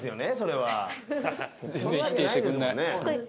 全然否定してくれない。